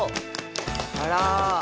あら。